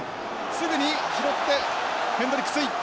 すぐに拾ってヘンドリックツイ！